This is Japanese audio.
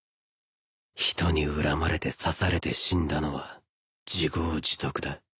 人に恨まれて刺されて死んだのは自業自得だ